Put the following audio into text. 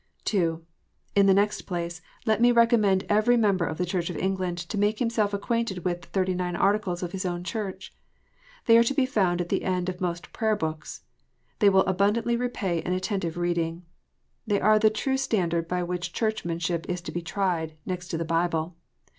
(2) In the next place, let me recommend every member of the Church of England to make himself acquainted with the Thirty nine Articles of his own Church. They are to be found at the end of most Prayer books. They will abundantly repay an attentive reading. They are the true standard by which Churchmanship is to be tried, next to the Bible.